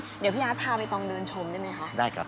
เดี๋ยวพี่อาร์ดพาไปตองเดินชมได้ไหมครับ